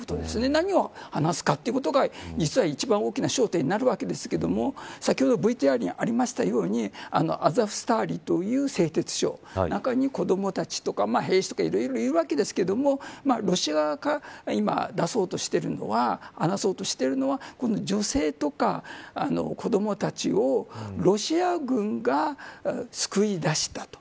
何を話すかということが実は一番大きな焦点になるわけですが先ほどＶＴＲにありましたようにアゾフスターリという製鉄所の中に子どもたちや兵士とかいろいろいるわけですがロシア側から今、出そうとしているのは女性とか子どもたちをロシア軍が救い出したと。